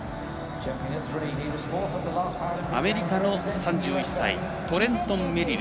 アメリカの３１歳トレントン・メリル。